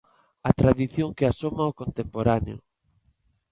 A tradición que asoma ao contemporáneo.